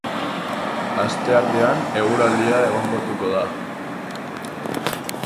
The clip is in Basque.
Asteartean eguraldia egonkortuko da.